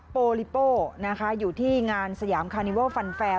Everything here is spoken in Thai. โปรลิโป้อยู่ที่งานสยามคาร์นิวอลฟันแฟร์